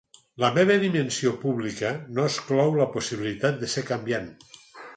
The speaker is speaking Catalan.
La meva dimensió pública no exclou la possibilitat de ser canviant.